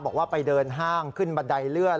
บอกว่าไปเดินห้างขึ้นบันไดเลื่อน